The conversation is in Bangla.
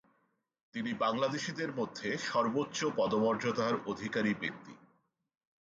তিনি বাংলাদেশীদের মধ্যে সর্বোচ্চ পদমর্যাদার অধিকারী ব্যক্তি।